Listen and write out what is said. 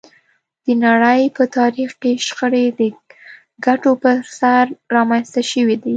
د نړۍ په تاریخ کې شخړې د ګټو پر سر رامنځته شوې دي